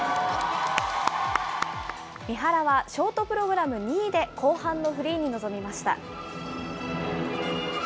三原はショートプログラム２位で後半のフリーに臨みました。